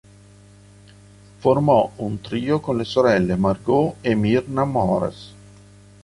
Formò un trio con le sorelle Margot e Myrna Mores.